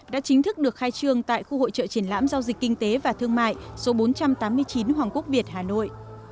đã chính thức được khai trương tại khu hội trợ triển lãm giao dịch kinh tế và thương mại số bốn trăm tám mươi chín hoàng quốc việt hà nội